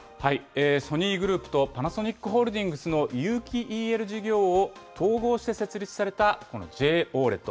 ソニーグループとパナソニックホールディングスの有機ＥＬ事業を統合して設立されたこのＪＯＬＥＤ。